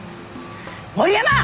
森山！